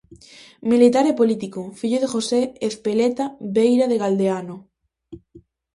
Militar e político, fillo de José Ezpeleta Veira de Galdeano.